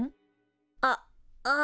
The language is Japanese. あっああ。